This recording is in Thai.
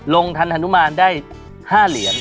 ทันฮานุมานได้๕เหรียญ